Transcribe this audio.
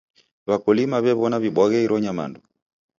W'akulima w'ew'ona w'ibwaghe iro nyamandu.